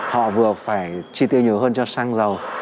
họ vừa phải chi tiêu nhiều hơn cho xăng dầu